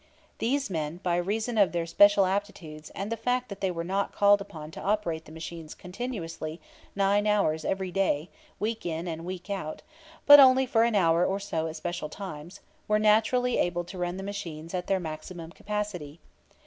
These men, by reason of their special aptitudes and the fact that they were not called upon to operate the machines continuously nine hours every day, week in and week out, but only for an hour or so at special times, were naturally able to run the machines at their maximum capacity.